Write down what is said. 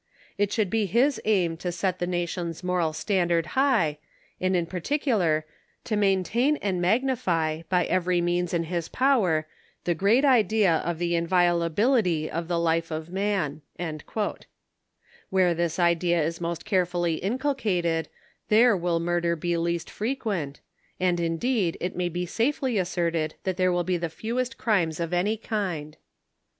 It should be his aim to set the nation's moral standard high, and in particular ^ to maintain and magnify, by every means in his power, the great idea of the inviolability of the life of man." Where this idea is most carefully inculcated, there will murder be least frequent, and indeed it may be safely asserted that ^there will be the fewest crimes of any kind.